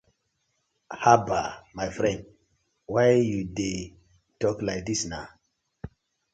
Habbah my friend why yu dey tok like dis na.